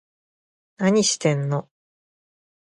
何してんの